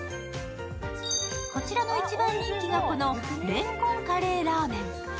こちらの一番人気がこのレンコンカレーラーメン。